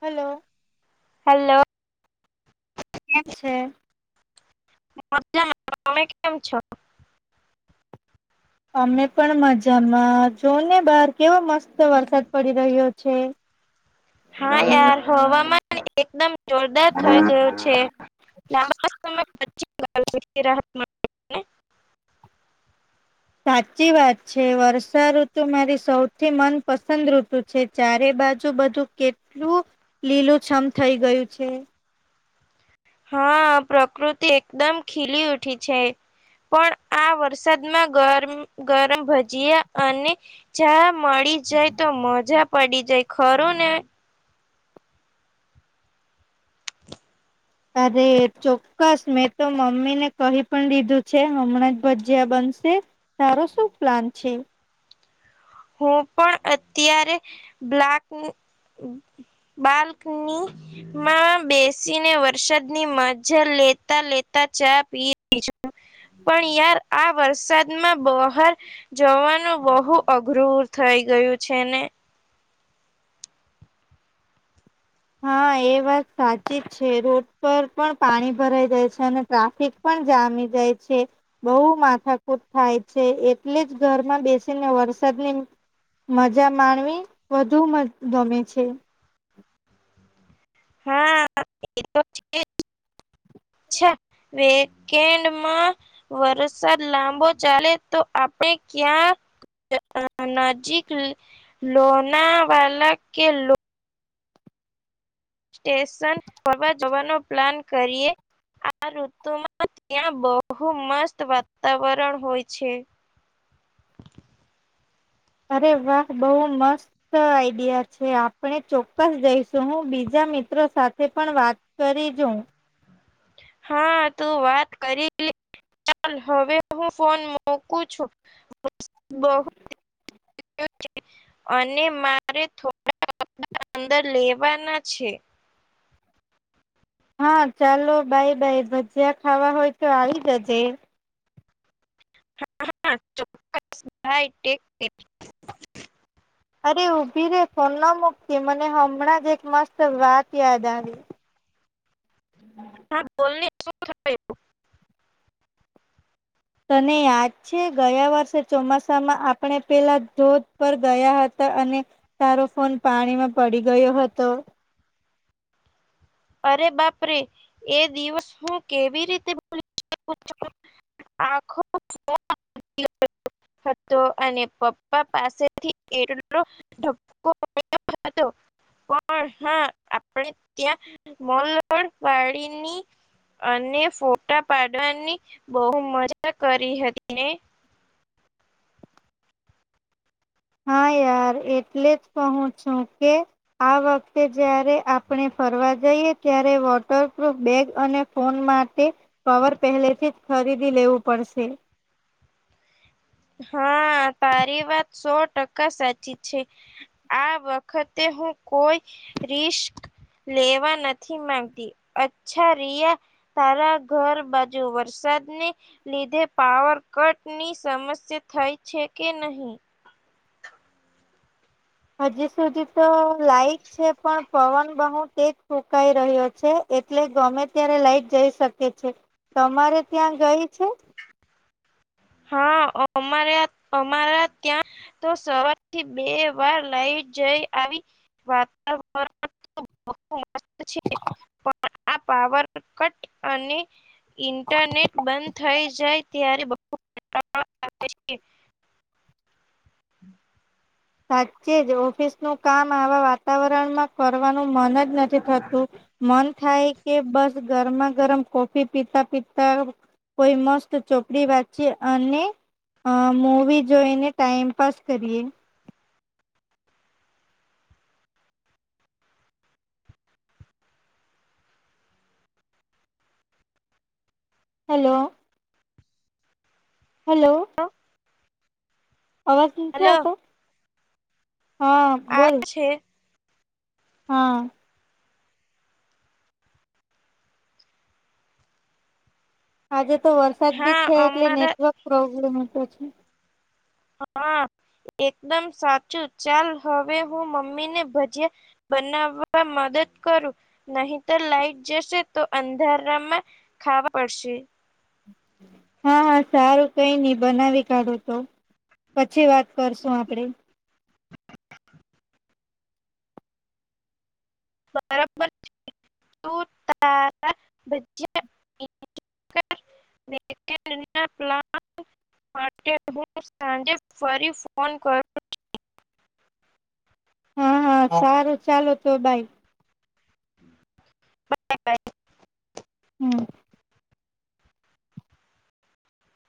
Hello hello કેમ છે મજ્જામાં તમે કેમ છો અમે પણ મજામાં જો ને બહાર કેવો મસ્ત વરસાદ પડી રહ્યો છે [unintelligible] હા યાર હવામાં એકદમ જોરદાર થઈ ગયો છે લાંબા સમય પછી. રાહતને મળે ને સાચી વાત છે વર્ષા ઋતુ મારી સૌથી મનપસંદ ઋતુ છે ચારે બાજુ બધું કેટલું લીલુંછમ થઈ ગયું છે. હા પ્રકૃતિ એકદમ ખીલી ઉઠી છે. પણ આ વરસાદમાં ગરમ ગરમ ભજીયા અને ચા મળી જાય તો મજા પડી જાય ખરું ને અરે ચોક્કસ મેં તો મમ્મીને કહી પણ દીધું છે હમણાં જ ભજીયા બ સે તારો શું પ્લાન છે. હું પણ અત્યારે બ્લાક બાલ્કની માં બેસીને વરસાદની મજા લેતા લેતા. ચા પી રહી છું. પણ યાર આ વરસાદમાં બહાર જવાનું બહુ ધૂર થઈ ગયું છે ને હા એ વાત સાચી જ છે રોડ પર પણ પાણી ભરાઈ જાય છે અને ટ્રાફિક પણ પણ જામી જાય છે બહુ માથાકૂટ થાય છે એટલે જ ઘરમાં બેસીને વર વરસાદની મજા માણવી વધુ મ ગમે છે. હા એ તો છે જ. [inaudible] વેકેન્ડમાં વરસાદ લાંબો ચાલે તો આપણે ક્યાક નજીક લોનાવાલા કે લો સ્ટેશન ફરવા જવાનો પ્લાન કરીએ. આ ઋતુમાં ત્યાં બહુ મસ્ત વાતાવરણ હોય છે. [inaudible] અરે વાહ બહુ મસ્ત આઈડિયા છે, આપણે ચોક્કસ જઈશું હું બીજા મિત્રો સાથે પણ વાત કરી જોઉ. હા તું વાત કરી લે. ચાલ હવે હું ફોન મોકું છું બહુ ટા થયો છે અને મારે થોડા અંદર લેવાના છે. [inaudible] હા ચાલો બાય બાય ભજીયા ખાવા હોય તો આવી જજે. હા હ ચોક્કસ બાયટેક [unintelligible] અરે ઊભી રે ફોન ન મુકતી મને હમણાં જ એક મસ્ત વાત યાદ આવી. [inaudible] હ બોલને શું થયુ. તને યાદ છે ગયા વર્ષે ચોમાસામાં આપણે પેલા ધોધ પર ગયા હ તા અને તારો ફોન પાણીમાં પડી ગયો હતો. અરે બાપરે એ દિવસ હું કેવી રીતે ભૂલી જવું. આખો [inaudible] હતો અને પપ્પા પાસેથી એટલો ધક્કો ખાધો. કોણ હા આપણે ત્યા મલર પાણીની અને ફોટા પાડવાની બહું મજા કરી હતી ને. [inaudible] હા યાર એટલે જ કહું છું કે આ વખતે જ્યારે આપણે ફરવા જઈએ ત્યારે વોટરપ્રૂફ બેગ અને ફોન માટે કવર પહેલે થી જ ખરીદી લેવું પડશે. હા, તારી વાત સો ટકા સાચી છે આ વખતે હું કોઈ રિસ્ક લેવા નથી માંગતી અચ્છા રિયા તારા ઘર બાજુ વરસા સાદને લીધે પાવર કટની સમસ્યા થઈ છે કે નહીં? હજી સુધી તો લાઈટ છે પણ પવન બહુ તેજ ફૂકાઈ રહ્યો છે. એટલે ગમે ત્યારે લાઈટ જઈ શકે છે તમારે ત્યાં ગઈ છે. હા, અમારે અમારા ત્યાં તો સવાર થી બે વાર લાઈ જઈ આવી વાતાવરણ [unintelligible] પણ આ પાવર કટ અને ઇન્ટરનેટ બંધ થઈ જાય ત્યારે [inaudible] સાચે જ ઓફિસનું કામ આવા વાતાવરણમાં કરવા, મન જ નથી થતું મન થાય કે બસ ગરમાં ગરમ કોફી પીતા પીતા કોઈ મસ્ત ચોપડી વાંચી અને, અ મૂવી જોઈને ટાઈમ પાાસ કરીએ. Hello hello. અવાજ નથી હેલો આવતો? હા આવે બોલ. છે હા. આજે તો વરસાદ બી હા છે. એટલે અમારા નેટવર્ક પ્રોબ્લેમ હતો છે. હા. એકદમ સાચું ચાલ હવે હું મમ્મી ને ભજીયા બનાવવામા મદદ કરો નહીતર લાઈટ જશે. તો અંધારામાં ખાવા પડશે. હા હા સારું કઈ નહ બનાવી કાઢો તો. પછી વાત કરશું આપડે. બરાબર. [unintelligible] [unintelligible] [inaudible] માટે હું સાંજે ફરી ફોન કરું. હા હા સારું ચાલો તો બાય. Bye bye. હમ્મ.